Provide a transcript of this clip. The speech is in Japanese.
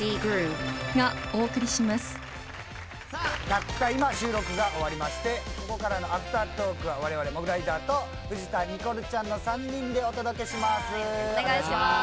たった今収録が終わりましてここからのアフタートークはわれわれモグライダーと藤田ニコルちゃんの３人でお届けします。